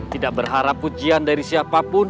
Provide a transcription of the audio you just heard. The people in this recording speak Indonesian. tidak berharap pujian dari siapapun